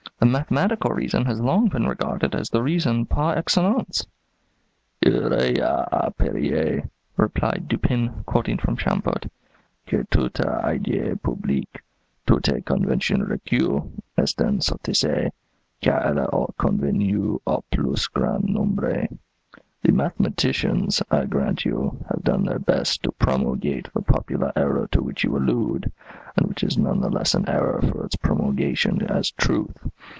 The mathematical reason has long been regarded as the reason par excellence." "'Il y a à parier,'" replied Dupin, quoting from Chamfort, "'que toute idée publique, toute convention reçue, est une sottise, car elle a convenue au plus grand nombre.' The mathematicians, I grant you, have done their best to promulgate the popular error to which you allude, and which is none the less an error for its promulgation as truth.